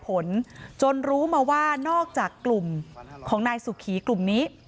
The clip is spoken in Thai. ผลจนรู้มาว่านอกจากกลุ่มของนายสุขีกลุ่มนี้